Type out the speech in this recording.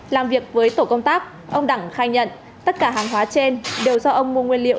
làm việc với tổ công tác ông đẳng khai nhận tất cả hàng hóa trên đều do ông mua nguyên liệu